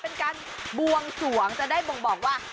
เป็นการบวงสวงจะได้บ่งบอกว่า